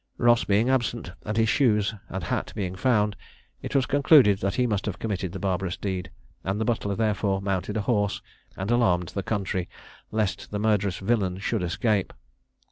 Ross being absent, and his shoes and hat being found, it was concluded that he must have committed the barbarous deed; and the butler therefore mounted a horse, and alarmed the country, lest the murderous villain should escape.